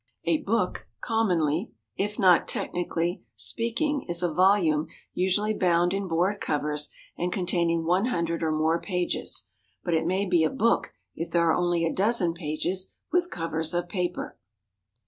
A book, commonly, if not technically, speaking, is a volume usually bound in board covers and containing one hundred or more pages, but it may be a book if there are only a dozen pages with covers of paper.